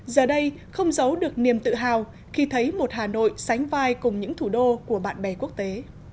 giờ đây không giấu được niềm tự hào khi thấy một hà nội sánh vai cùng những thủ đô của bạn bè quốc tế